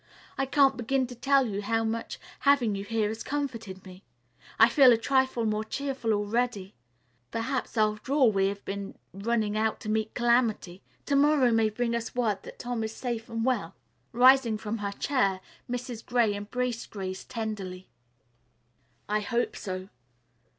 I can't begin to tell you how much having you here has comforted me. I feel a trifle more cheerful already. Perhaps, after all, we have been running out to meet calamity. To morrow may bring us word that Tom is safe and well." Rising from her chair, Mrs. Gray embraced Grace tenderly. "I hope so."